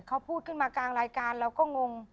เขาพูดขึ้นมากลางรายการเราก็งง